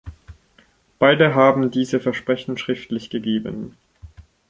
Beide haben diese Versprechen schriftlich gegeben.